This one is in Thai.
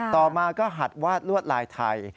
ต่อมาก็หัดวาดลวดลายไทย